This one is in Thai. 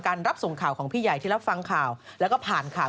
รับส่งข่าวของพี่ใหญ่ที่รับฟังข่าวแล้วก็ผ่านข่าว